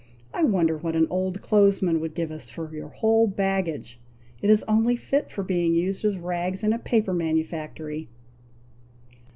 I wonder what an old clothesman would give for your whole baggage! It is only fit for being used as rags in a paper manufactory!"